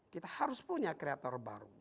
kita harus punya kreator baru